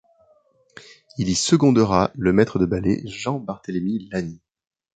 Il y secondera le maître de ballet Jean-Barthélemy Lany.